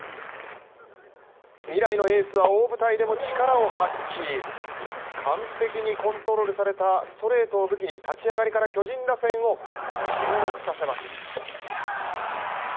未来のエースは大舞台でも力を発揮、完璧にコントロールされたストレートを武器に立ち上がりから巨人打線を沈黙させます。